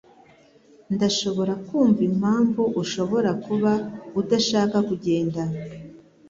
Ndashobora kumva impamvu ushobora kuba udashaka kugenda.